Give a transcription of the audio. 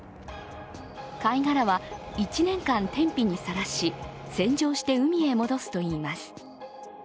貝殻は１年間天日にさらし、洗浄して海に戻すといいます。